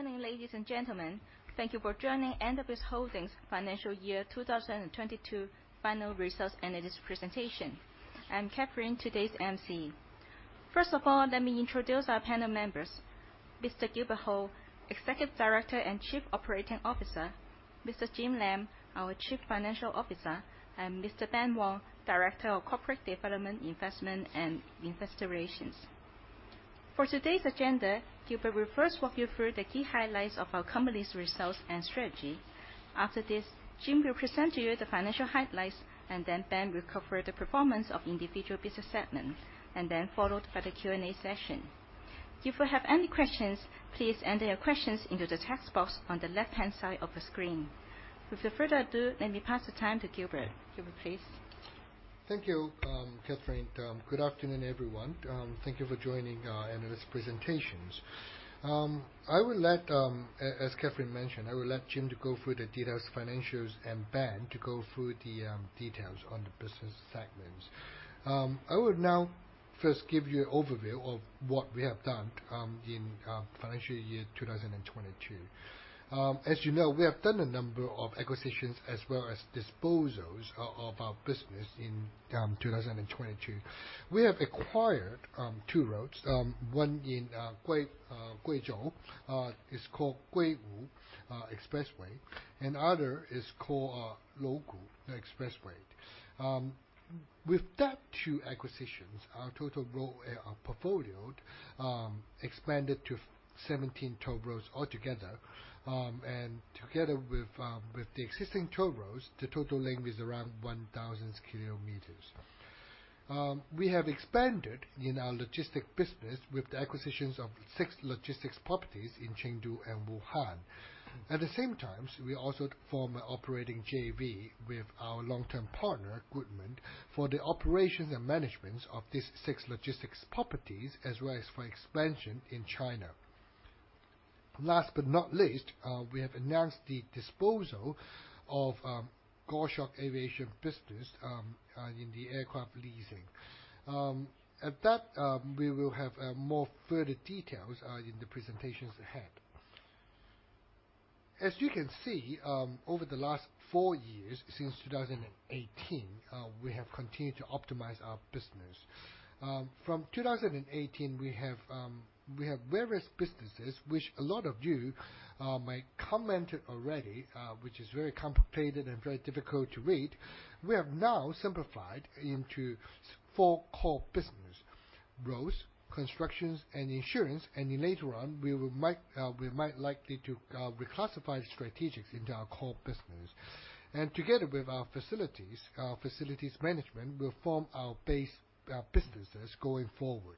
Evening, ladies and gentlemen. Thank you for joining NWS Holdings Financial Year 2022 final results analyst presentation. I'm Katherine, today's MC. First of all, let me introduce our panel members. Mr. Gilbert Ho, Executive Director and Chief Operating Officer. Mr. Jim Lam, our Chief Financial Officer. Mr. Ben Wong, Director of Corporate Development & Investment and Investor Relations. For today's agenda, Gilbert will first walk you through the key highlights of our company's results and strategy. After this, Jim will present to you the financial highlights, and then Ben will cover the performance of individual business segments, followed by the Q&A session. If you have any questions, please enter your questions into the text box on the left-hand side of the screen. Without further ado, let me pass the mic to Gilbert. Gilbert, please. Thank you, Katherine. Good afternoon, everyone. Thank you for joining our analyst presentations. As Katherine mentioned, I will let Jim to go through the detailed financials and Ben to go through the details on the business segments. I will now first give you an overview of what we have done in financial year 2022. As you know, we have done a number of acquisitions as well as disposals of our business in 2022. We have acquired two roads, one in Guizhou, it's called Guiwu Expressway, and other is called Laogu Expressway. With that two acquisitions, our total road portfolio expanded to 17 toll roads altogether. Together with the existing toll roads, the total length is around 1,000 kilometers. We have expanded in our logistics business with the acquisitions of six logistics properties in Chengdu and Wuhan. At the same time, we also formed an operating JV with our long-term partner, Goodman, for the operations and management of these six logistics properties, as well as for expansion in China. Last but not least, we have announced the disposal of Goshawk Aviation business in the aircraft leasing. After that, we will have more further details in the presentations ahead. As you can see, over the last four years since 2018, we have continued to optimize our business. From 2018, we have various businesses, which a lot of you may have commented already, which is very complicated and very difficult to read. We have now simplified into four core businesses: roads, construction, and insurance, and later on, we might likely to reclassify strategics into our core business. Together with our facilities management, it will form our base businesses going forward.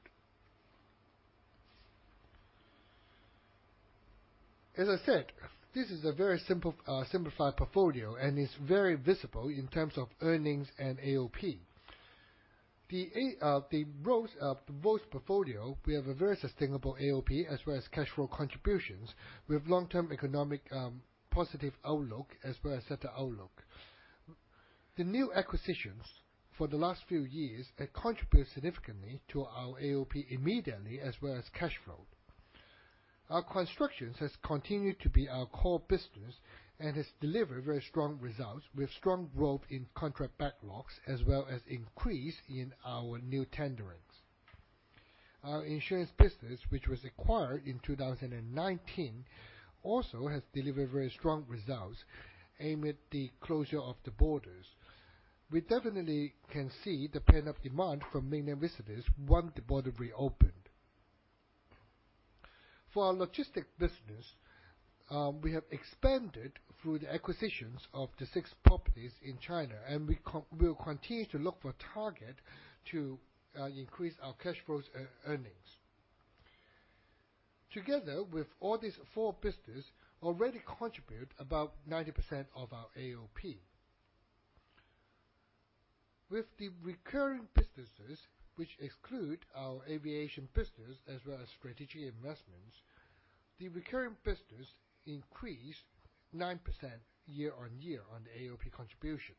As I said, this is a very simplified portfolio, and it's very visible in terms of earnings and AOP. The roads portfolio, we have a very sustainable AOP as well as cash flow contributions with long-term economic positive outlook as well as sector outlook. The new acquisitions for the last few years have contributed significantly to our AOP immediately as well as cash flow. Our construction has continued to be our core business and has delivered very strong results with strong growth in contract backlogs, as well as increase in our new tendering. Our insurance business, which was acquired in 2019, also has delivered very strong results amid the closure of the borders. We definitely can see the pent-up demand from mainland visitors once the border reopened. For our logistics business, we have expanded through the acquisitions of the six properties in China, and we will continue to look for targets to increase our cash flows and earnings. Together with all these four businesses already contribute about 90% of our AOP. With the recurring businesses, which exclude our aviation business as well as strategic investments, the recurring business increased 9% year-on-year on the AOP contributions.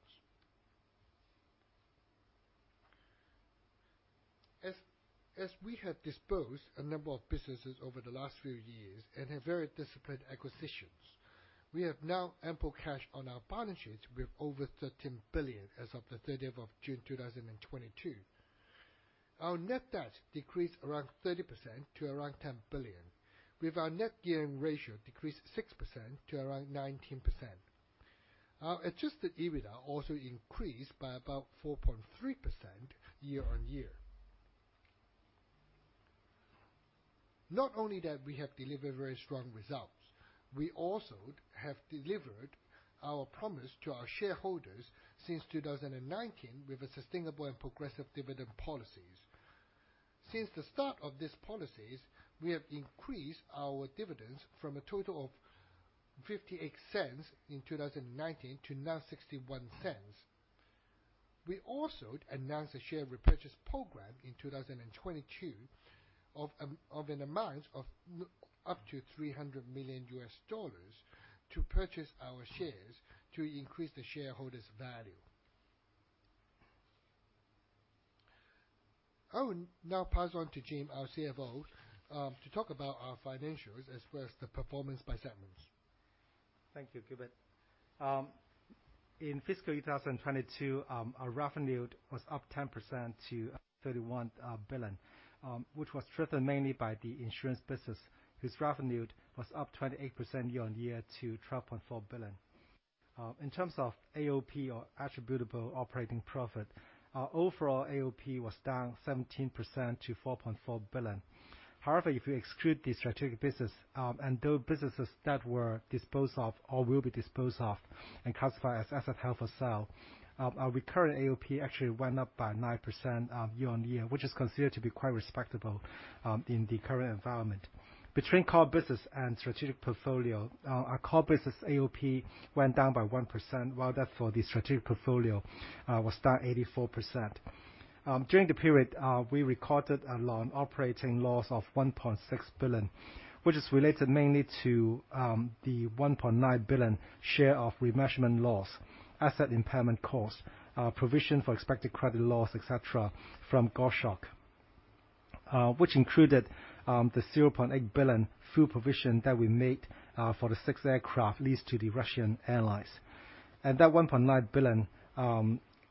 As we have disposed a number of businesses over the last few years and have very disciplined acquisitions, we have now ample cash on our balance sheets with over 13 billion as of the 13th of June 2022. Our net debt decreased around 30% to around 10 billion, with our net gearing ratio decreased 6% to around 19%. Our adjusted EBITDA also increased by about 4.3% year-on-year. Not only that we have delivered very strong results, we also have delivered our promise to our shareholders since 2019 with a sustainable and progressive dividend policies. Since the start of these policies, we have increased our dividends from a total of 0.58 in 2019 to now 0.61. We also announced a share repurchase program in 2022 of up to $300 million to purchase our shares to increase the shareholders' value. I will now pass on to Jim, our CFO, to talk about our financials as well as the performance by segments. Thank you, Gilbert. In fiscal year 2022, our revenue was up 10% to 31 billion, which was driven mainly by the insurance business, whose revenue was up 28% year-on-year to 12.4 billion. In terms of AOP or Attributable Operating Profit, our overall AOP was down 17% to 4.4 billion. However, if you exclude the strategic business, and those businesses that were disposed of or will be disposed of and classified as asset held for sale, our recurrent AOP actually went up by 9%, year-on-year, which is considered to be quite respectable, in the current environment. Between core business and strategic portfolio, our core business AOP went down by 1%, while that for the strategic portfolio, was down 84%. During the period, we recorded a non-operating loss of 1.6 billion, which is related mainly to the 1.9 billion share of remeasurement loss, asset impairment costs, provision for expected credit loss, et cetera, from Goshawk, which included the 0.8 billion full provision that we made for the 6 aircraft leased to the Russian airlines. That 1.9 billion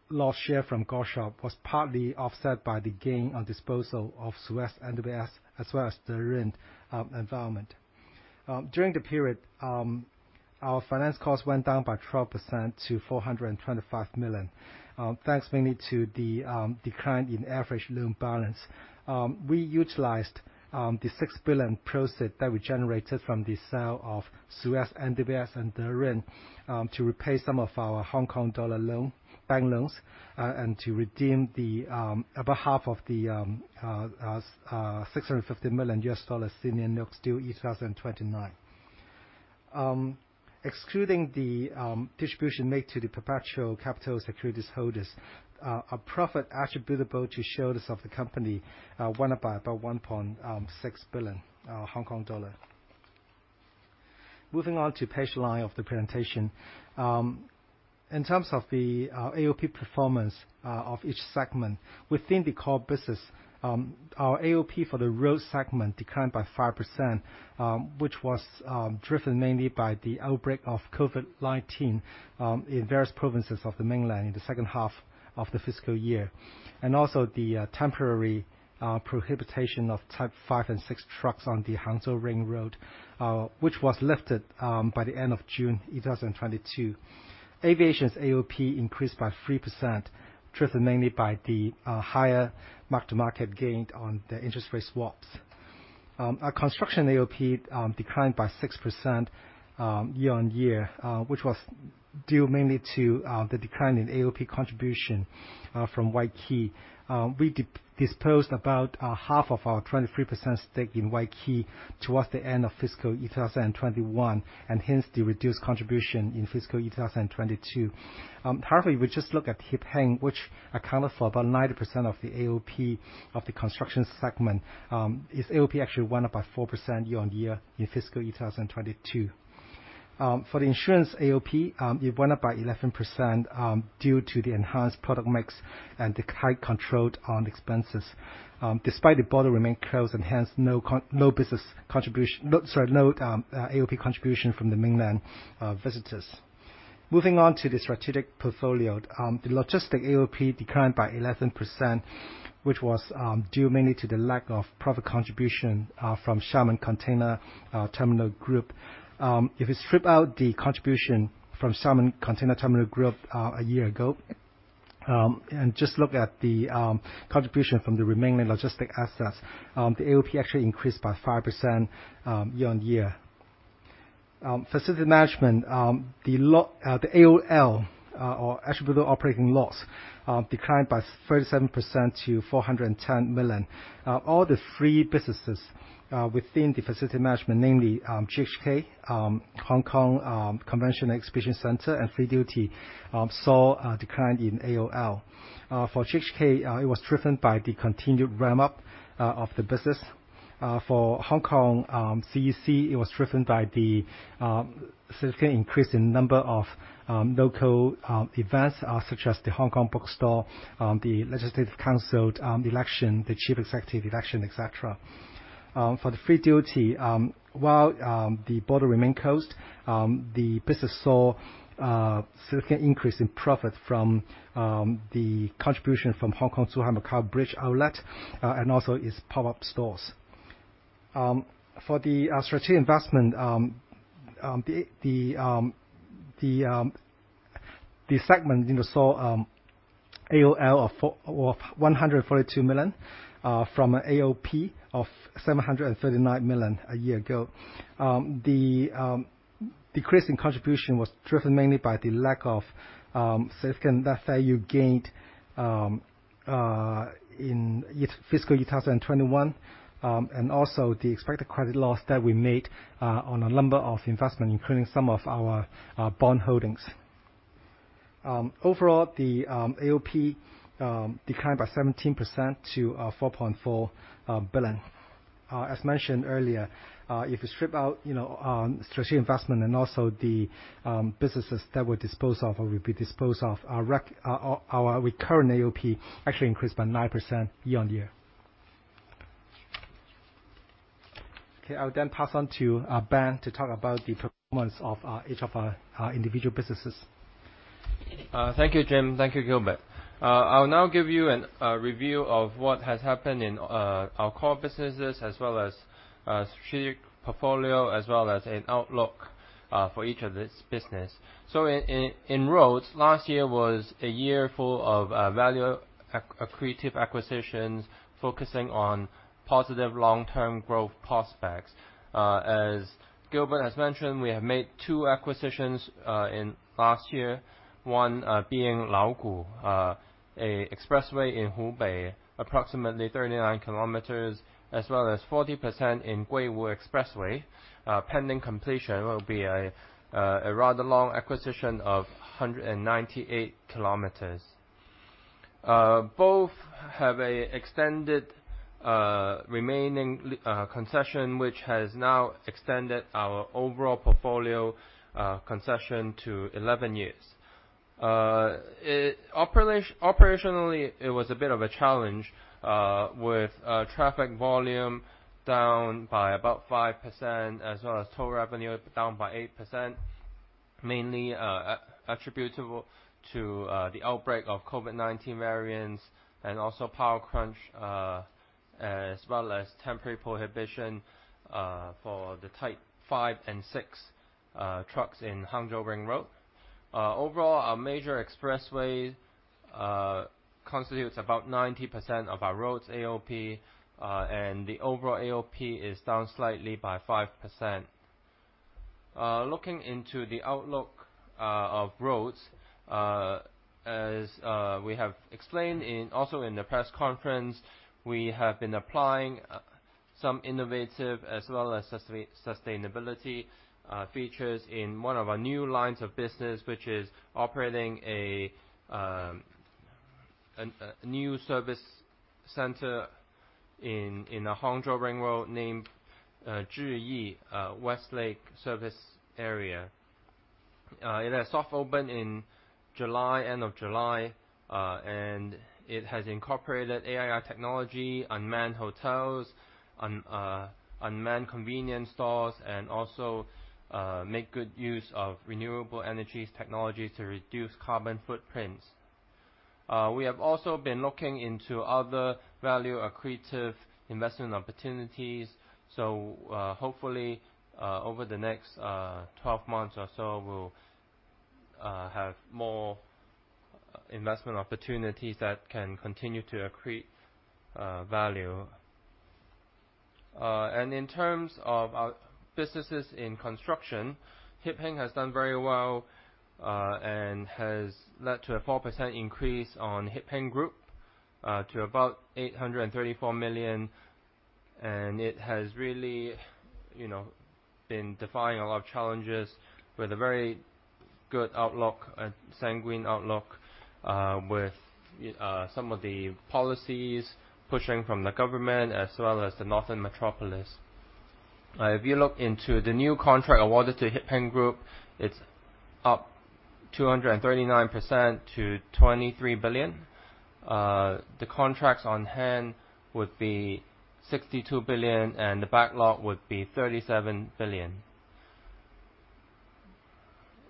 loss share from Goshawk was partly offset by the gain on disposal of SUEZ NWS as well as the Rin Enviro We utilized the 6 billion proceeds that we generated from the sale of SUEZ NWS and Rin to repay some of our Hong Kong dollar bank loans and to redeem about half of the $650 million senior notes due 2029. Excluding the distribution made to the perpetual capital securities holders, our profit attributable to shareholders of the company went up by about 1.6 billion Hong Kong dollar. Moving on to page 9 of the presentation. In terms of the AOP performance of each segment within the core business, our AOP for the road segment declined by 5%, which was driven mainly by the outbreak of COVID-19 in various provinces of the mainland in the second half of the fiscal year, also the temporary prohibition of type 5 and 6 trucks on the Hangzhou Ring Road, which was lifted by the end of June 2022. Aviation's AOP increased by 3%, driven mainly by the higher mark-to-market gains on the interest rate swaps. Our construction AOP declined by 6% year-on-year, which was due mainly to the decline in AOP contribution from Wai Kee. We disposed about half of our 23% stake in Wai Kee towards the end of fiscal year 2021, and hence the reduced contribution in fiscal year 2022. However, if we just look at Hip Hing, which accounted for about 90% of the AOP of the construction segment, its AOP actually went up by 4% year-on-year in fiscal year 2022. For the insurance AOP, it went up by 11%, due to the enhanced product mix and the tight control on expenses, despite the border remain closed and hence no AOP contribution from the mainland visitors. Moving on to the strategic portfolio. The logistics AOP declined by 11%, which was due mainly to the lack of profit contribution from Xiamen Container Terminal Group. If you strip out the contribution from Xiamen Container Terminal Group a year ago and just look at the contribution from the remaining logistics assets, the AOP actually increased by 5% year-on-year. Facility management, the AOL, or Attributable Operating Loss, declined by 37% to 410 million. All three businesses within the facility management, namely, HKCEC, Hong Kong Convention and Exhibition Centre, and Free Duty, saw a decline in AOL. For HKCEC, it was driven by the continued ramp-up of the business. For Hong Kong CEC, it was driven by the significant increase in number of local events, such as the Hong Kong Book Fair, the Legislative Council election, the chief executive election, et cetera. For the Free Duty, while the border remain closed, the business saw a significant increase in profit from the contribution from Hong Kong-Zhuhai-Macau Bridge outlet, and also its pop-up stores. For the strategic investment, the segment, you know, saw AOL of 142 million from an AOP of 739 million a year ago. The decrease in contribution was driven mainly by the lack of significant fair value gained in fiscal year 2021, and also the expected credit loss that we made on a number of investments, including some of our bond holdings. Overall, the AOP declined by 17% to 4.4 billion. As mentioned earlier, if you strip out, you know, strategic investment and also the businesses that were disposed of or will be disposed of, our recurrent AOP actually increased by 9% year-on-year. Okay. I will then pass on to Ben to talk about the performance of each of our individual businesses. Thank you, Jim. Thank you, Gilbert. I'll now give you a review of what has happened in our core businesses as well as strategic portfolio, as well as an outlook for each of this business. In roads, last year was a year full of value accretive acquisitions focusing on positive long-term growth prospects. As Gilbert has mentioned, we have made two acquisitions in last year. One being Laogu Expressway in Hubei, approximately 39 kilometers, as well as 40% in Guiwu Expressway. Pending completion will be a rather long acquisition of 198 kilometers. Both have an extended remaining concession, which has now extended our overall portfolio concession to 11 years. It operationally was a bit of a challenge with traffic volume down by about 5% as well as toll revenue down by 8%, mainly attributable to the outbreak of COVID-19 variants and also power crunch as well as temporary prohibition for the Type V and VI trucks in Hangzhou Ring Road. Overall, our major expressway constitutes about 90% of our roads AOP and the overall AOP is down slightly by 5%. Looking into the outlook of roads, as we have explained also in the press conference, we have been applying some innovative as well as sustainability features in one of our new lines of business, which is operating a new service center in the Hangzhou Ring Road named Zhiyi West Lake Service Area. It has soft opened in July, end of July, and it has incorporated AI technology, unmanned hotels, unmanned convenience stores, and also make good use of renewable energies technology to reduce carbon footprints. We have also been looking into other value-accretive investment opportunities. Hopefully, over the next 12 months or so, we'll have more investment opportunities that can continue to accrete value. In terms of our businesses in construction, Hip Hing has done very well, and has led to a 4% increase on Hip Hing Group to about 834 million. It has really, you know, been defying a lot of challenges with a very good outlook, a sanguine outlook, with some of the policies pushing from the government as well as the northern metropolis. If you look into the new contract awarded to Hip Hing Group, it's up 239% to 23 billion. The contracts on hand would be 62 billion, and the backlog would be 37 billion.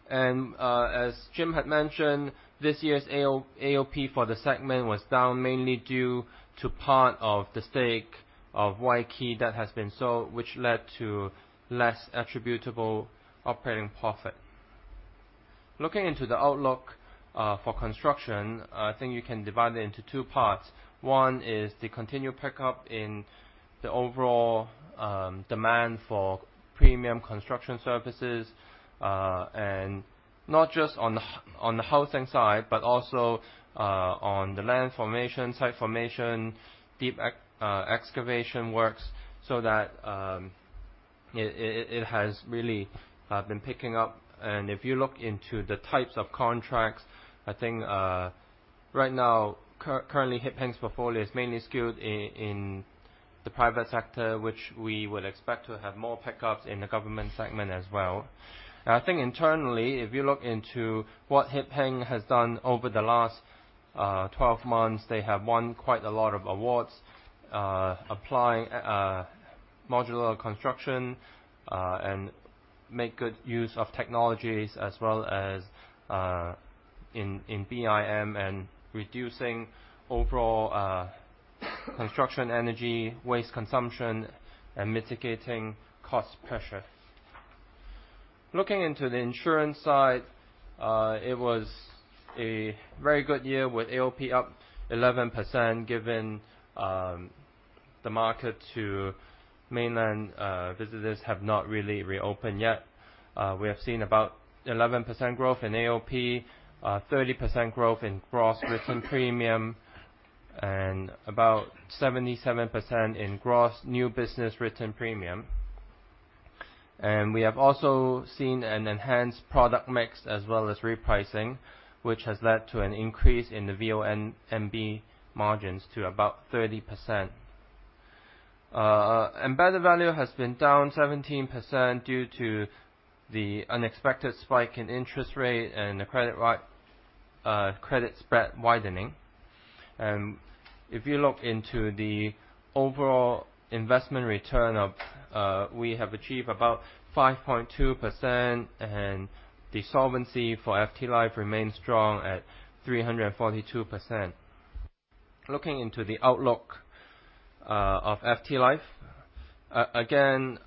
As Jim had mentioned, this year's AOP for the segment was down mainly due to part of the stake of Wai Kee that has been sold, which led to less attributable operating profit. Looking into the outlook for construction, I think you can divide it into two parts. One is the continued pickup in the overall demand for premium construction services, and not just on the housing side, but also on the land formation, site formation, excavation works, so that it has really been picking up. If you look into the types of contracts, I think right now currently Hip Hing's portfolio is mainly skewed in the private sector, which we would expect to have more pickups in the government segment as well. I think internally, if you look into what Hip Hing has done over the last 12 months, they have won quite a lot of awards applying modular construction and make good use of technologies as well as in BIM and reducing overall construction energy waste consumption and mitigating cost pressure. Looking into the insurance side, it was a very good year with AOP up 11%, given the market for mainland visitors have not really reopened yet. We have seen about 11% growth in AOP, 30% growth in gross written premium, and about 77% in gross new business written premium. We have also seen an enhanced product mix as well as repricing, which has led to an increase in the VONB margins to about 30%. Embedded value has been down 17% due to the unexpected spike in interest rate and the credit spread widening. If you look into the overall investment return of. We have achieved about 5.2%, and the solvency for FTLife remains strong at 342%. Looking into the outlook of FTLife. Again,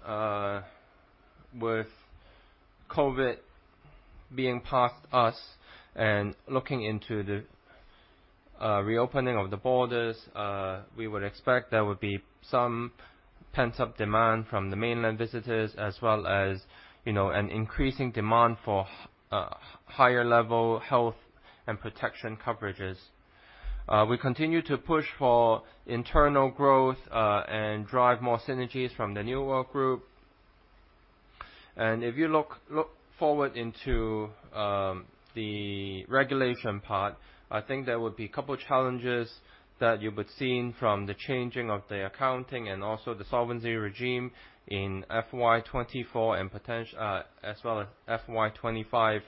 with COVID being past us and looking into the reopening of the borders, we would expect there would be some pent-up demand from the mainland visitors, as well as, you know, an increasing demand for higher level health and protection coverages. We continue to push for internal growth and drive more synergies from the New World Group. If you look forward into the regulation part, I think there would be a couple challenges that you would see from the changing of the accounting and also the solvency regime in FY 2024 and as well as FY 2025.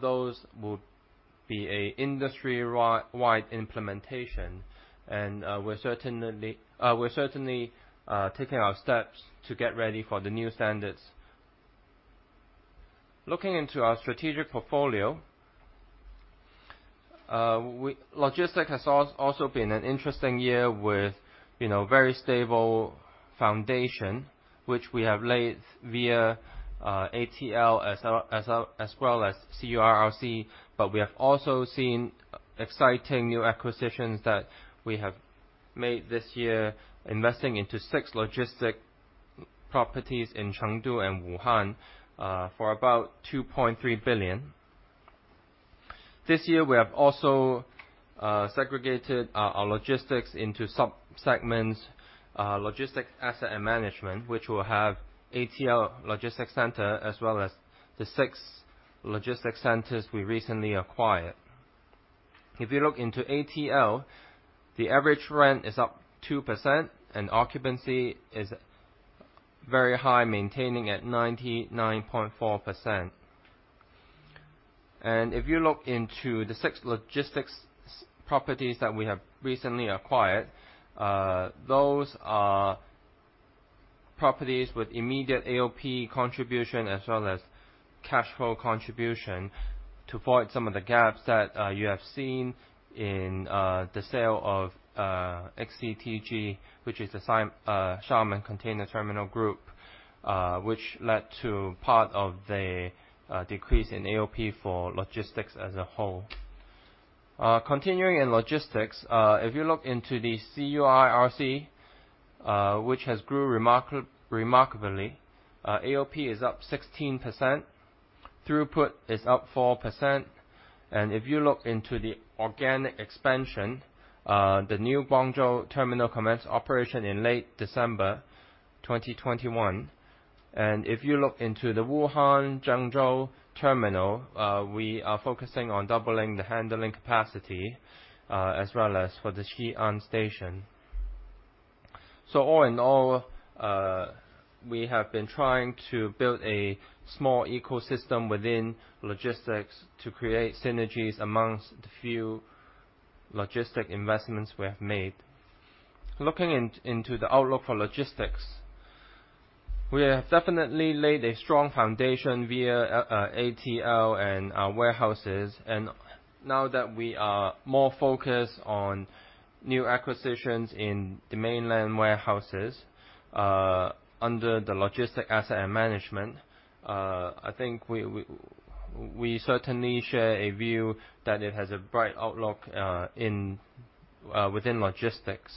Those would be an industry-wide implementation. We're certainly taking our steps to get ready for the new standards. Looking into our strategic portfolio. Logistics has also been an interesting year with, you know, very stable foundation, which we have laid via ATL as well as CUIRC. But we have also seen exciting new acquisitions that we have made this year, investing into six logistics properties in Chengdu and Wuhan for about 2.3 billion. This year, we have also segregated our logistics into subsegments, logistic asset and management, which will have ATL Logistics Centre as well as the six logistics centers we recently acquired. If you look into ATL, the average rent is up 2% and occupancy is very high, maintaining at 99.4%. If you look into the six logistics properties that we have recently acquired, those are properties with immediate AOP contribution as well as cash flow contribution to avoid some of the gaps that you have seen in the sale of XCTG, which is the Xiamen Container Terminal Group, which led to part of the decrease in AOP for logistics as a whole. Continuing in logistics. If you look into the CUIRC, which has grown remarkably. AOP is up 16%. Throughput is up 4%. If you look into the organic expansion, the new Guangzhou terminal commenced operation in late December 2021. If you look into the Wuhan Zhengzhou terminal, we are focusing on doubling the handling capacity, as well as for the Xi'an station. All in all, we have been trying to build a small ecosystem within logistics to create synergies among the few logistics investments we have made. Looking into the outlook for logistics. We have definitely laid a strong foundation via ATL and our warehouses. Now that we are more focused on new acquisitions in the mainland warehouses, under the logistics asset and management, I think we certainly share a view that it has a bright outlook within logistics.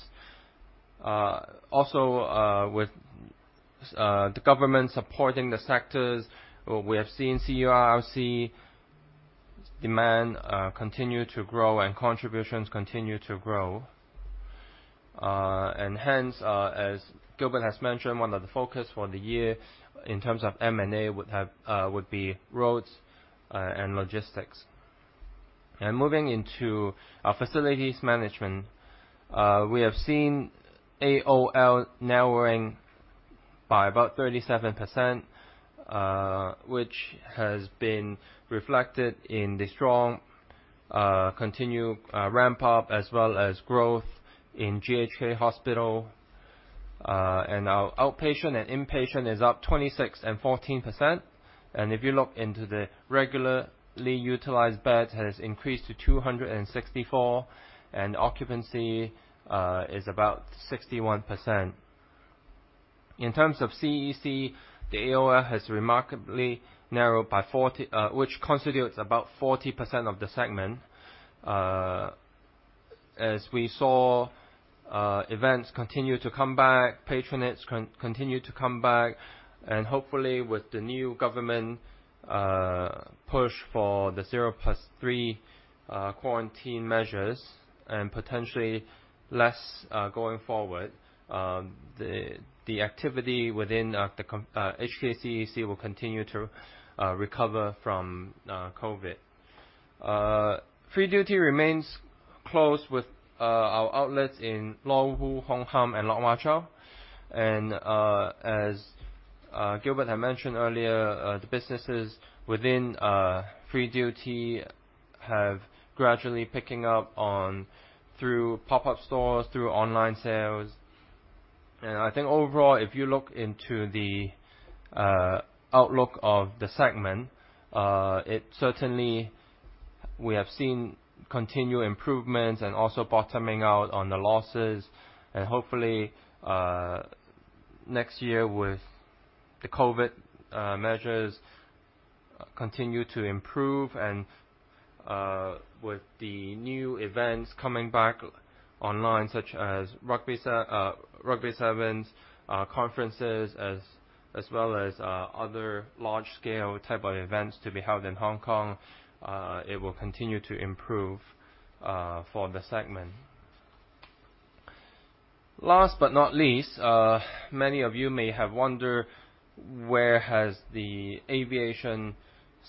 Also, with the government supporting the sectors, we have seen CUIRC demand continue to grow and contributions continue to grow. Hence, as Gilbert has mentioned, one of the focus for the year in terms of M&A would be roads and logistics. Moving into our facilities management, we have seen AOL narrowing by about 37%, which has been reflected in the strong continued ramp up as well as growth in GHK Hospital. Our outpatient and inpatient is up 26% and 14%. If you look into the regularly utilized beds has increased to 264, and occupancy is about 61%. In terms of CEC, the AOL has remarkably narrowed by 40%, which constitutes about 40% of the segment. As we saw, events continue to come back, patronage continue to come back, and hopefully with the new government push for the 0+3 quarantine measures and potentially less going forward, the activity within the HKCEC will continue to recover from COVID. Free Duty remains closed with our outlets in Luohu, Hong Kong, and Lok Ma Chau. As Gilbert had mentioned earlier, the businesses within Free Duty have gradually picking up through pop-up stores, through online sales. I think overall, if you look into the outlook of the segment, it certainly we have seen continued improvements and also bottoming out on the losses. Hopefully, next year with the COVID measures continue to improve and with the new events coming back online, such as Rugby Sevens, conferences as well as other large-scale type of events to be held in Hong Kong, it will continue to improve for the segment. Last but not least, many of you may have wondered where the aviation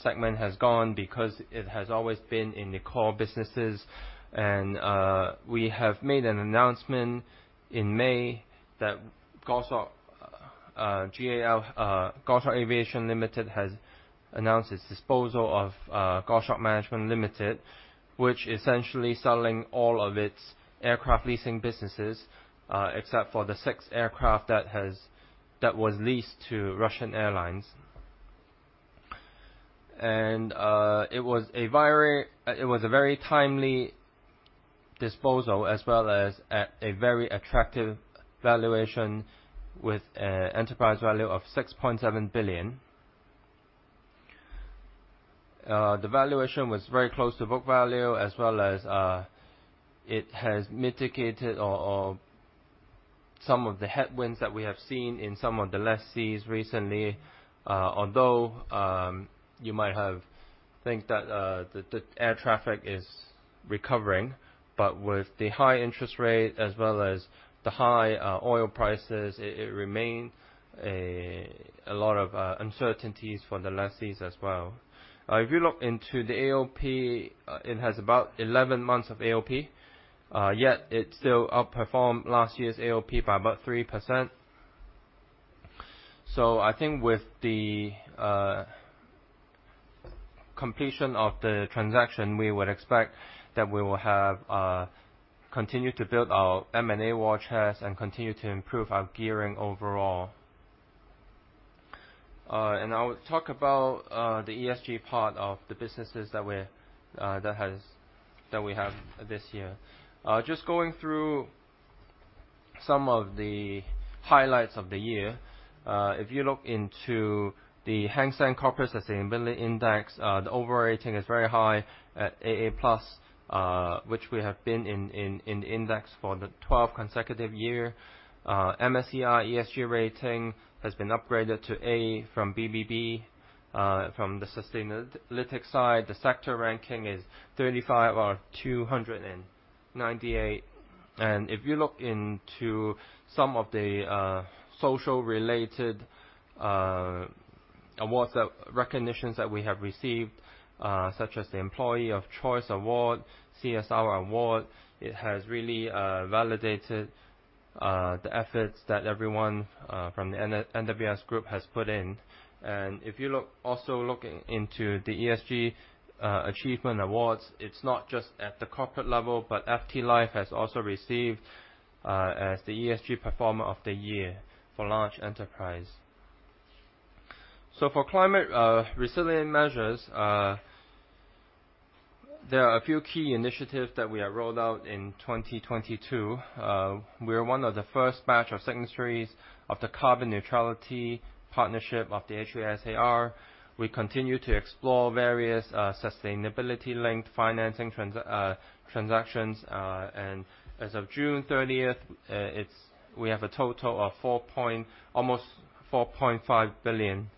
segment has gone because it has always been in the core businesses. We have made an announcement in May that Goshawk, GAL, Goshawk Aviation Limited has announced its disposal of Goshawk Management Limited, which essentially selling all of its aircraft leasing businesses, except for the six aircraft that was leased to Russian Airlines. It was a very timely disposal as well as at a very attractive valuation with enterprise value of 6.7 billion. The valuation was very close to book value as well as it has mitigated some of the headwinds that we have seen in some of the lessees recently. Although you might have think that the air traffic is recovering, but with the high interest rate as well as the high oil prices, it remain a lot of uncertainties for the lessees as well. If you look into the AOP, it has about 11 months of AOP. Yet it still outperformed last year's AOP by about 3%. I think with the completion of the transaction, we would expect that we will have continued to build our M&A war chest and continue to improve our gearing overall. I will talk about the ESG part of the businesses that we have this year. Just going through some of the highlights of the year. If you look into the Hang Seng Corporate Sustainability Index, the overall rating is very high at AA+, which we have been in the index for the twelve consecutive year. MSCI ESG rating has been upgraded to A from BBB. From the Sustainalytics side, the sector ranking is 35 out of 298. If you look into some of the social related recognitions that we have received, such as the Employer of Choice Award, CSR Award, it has really validated the efforts that everyone from the NWS Group has put in. If you also look into the ESG Achievement Awards, it's not just at the corporate level, but FTLife has also received as the ESG Performer of the Year for Large Enterprise. For climate resilient measures, there are a few key initiatives that we have rolled out in 2022. We are one of the first batch of signatories of the Carbon Neutrality Partnership of the HKSAR. We continue to explore various sustainability-linked financing transactions. As of June 30, we have a total of almost 4.5 billion,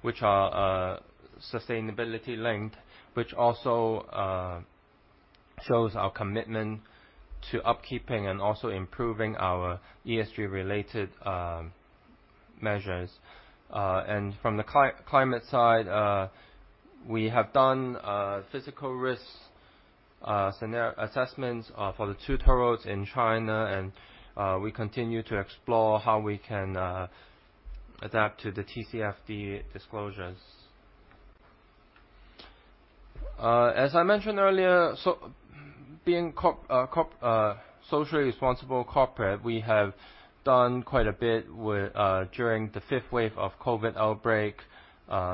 which are sustainability-linked, which also shows our commitment to upkeeping and also improving our ESG-related measures. From the climate side, we have done physical risks scenario assessments for the two tolls in China, and we continue to explore how we can adapt to the TCFD disclosures. As I mentioned earlier, being a socially responsible corporation, we have done quite a bit during the fifth wave of COVID outbreak,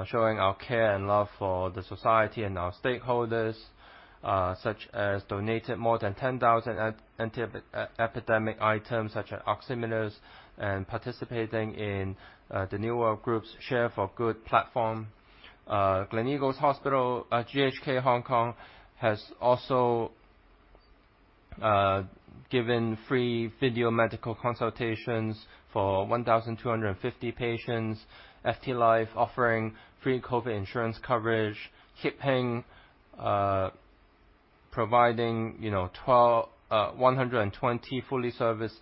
showing our care and love for the society and our stakeholders, such as donated more than 10,000 anti-epidemic items such as oximeters and participating in the New World Group's Share for Good platform. Gleneagles Hospital Hong Kong, GHK Hospital has also given free video medical consultations for 1,250 patients. FTLife offering free COVID insurance coverage. Hip Hing providing, you know, 120 fully serviced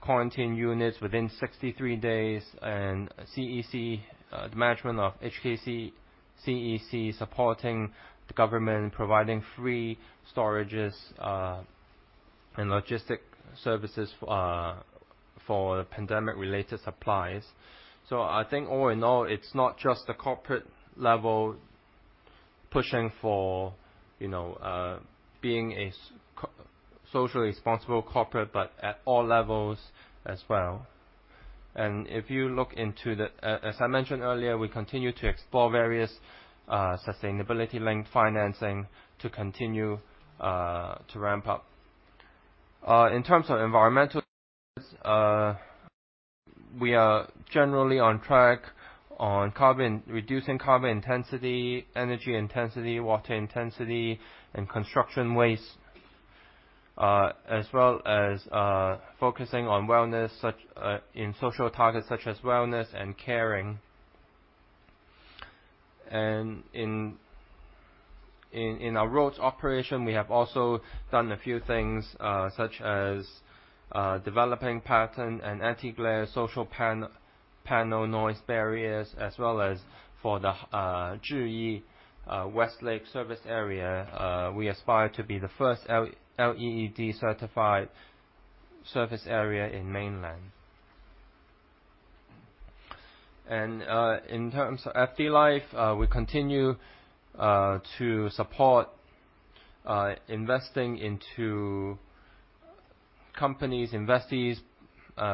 quarantine units within 63 days. HKCEC, the management of HKCEC supporting the government, providing free storage and logistics services for pandemic-related supplies. I think all in all, it's not just the corporate level pushing for, you know, being a socially responsible corporate, but at all levels as well. If you look into the, as I mentioned earlier, we continue to explore various sustainability-linked financing to continue to ramp up. In terms of environmental, we are generally on track on reducing carbon intensity, energy intensity, water intensity, and construction waste. As well as focusing on wellness in social targets such as wellness and caring. In our roads operation, we have also done a few things, such as developing patterned and anti-glare solar panel noise barriers, as well as for the Zhiyi West Lake Service Area, we aspire to be the first LEED certified service area in Mainland. In terms of FTLife, we continue to support investing into companies, investees,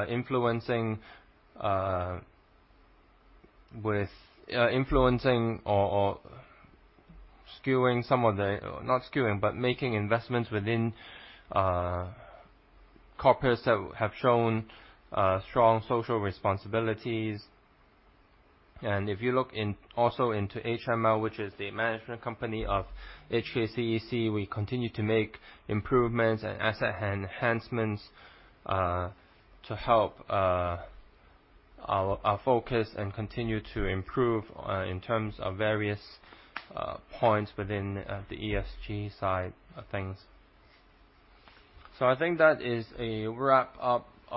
influencing or skewing some of the, not skewing, but making investments within corporates that have shown strong social responsibilities. If you look also into HML, which is the management company of HKCEC, we continue to make improvements and asset enhancements to help our focus and continue to improve in terms of various points within the ESG side of things. I think that is a wrap up of